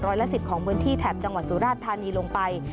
ร้อยละ๑๐ของพื้นที่แถบจังหวัดสุราชธานีลงไป